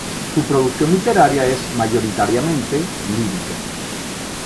Su producción literaria es mayoritariamente lírica.